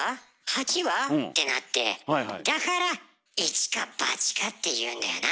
「八は？」ってなってだから「一か八か」って言うんだよな。